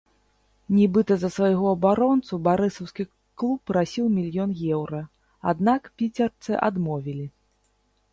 Нібыта за свайго абаронцу барысаўскі клуб прасіў мільён еўра, аднак піцерцы адмовілі.